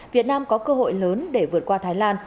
việt nam có cơ hội lớn để vượt qua thái lan